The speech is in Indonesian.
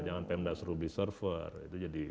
jangan pemdas ruby server itu jadi